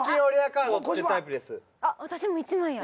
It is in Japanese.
あっ私も１枚や。